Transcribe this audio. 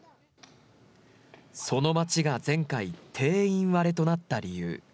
その町が前回、定員割れとなった理由。